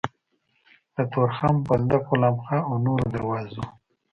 له تورخم، بولدک، غلام خان او نورو دروازو